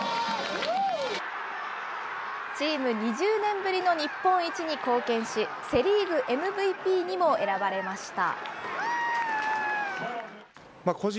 チーム２０年ぶりの日本一に貢献し、セ・リーグＭＶＰにも選ばれました。